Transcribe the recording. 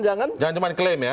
jangan cuma claim ya